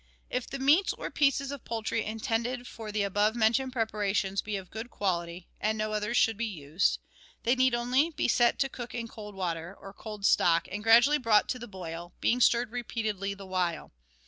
If the meats or pieces of poultry intended for the above mentioned preparations be of a good quality (and no others should be used), they need only be set to cook in cold water, or cold stock, and gradually brought to the boil, being stirred repeatedly the while.